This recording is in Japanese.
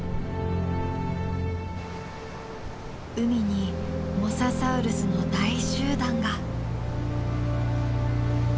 海にモササウルスの大集団が。